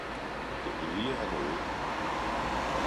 det hele er noget!